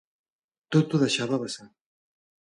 Tot ho deixava a vessar.